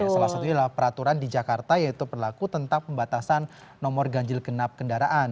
salah satunya adalah peraturan di jakarta yaitu berlaku tentang pembatasan nomor ganjil genap kendaraan